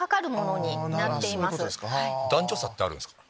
男女差ってあるんすか？